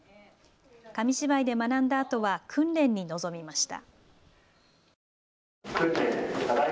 紙芝居で学んだあとは訓練に臨みました。